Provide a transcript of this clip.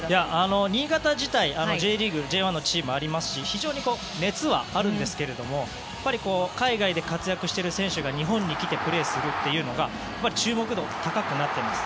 新潟自体Ｊ１のチームありますし非常に熱はあるんですけど海外で活躍している選手が日本に来てプレーするというのが注目度、高くなっています。